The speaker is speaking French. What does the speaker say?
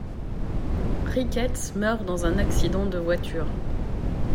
Ricketts meurt dans un accident de voiture.